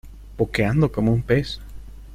boqueando como un pez.